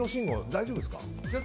大丈夫ですか？